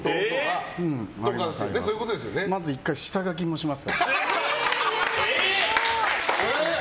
まず１回、下書きもしますから。